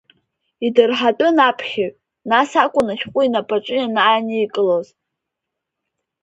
Идырҳатәын аԥхьаҩ, нас акәын ашәҟәы инапаҿы ианааникылоз.